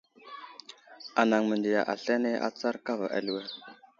Anaŋ məndiya aslane atsar kava aliwer.